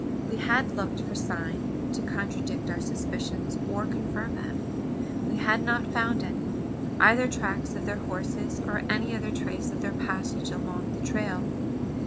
We had looked for "sign" to contradict our suspicions, or confirm them. We had not found any either tracks of their horses, or any other trace of their passage along the trail.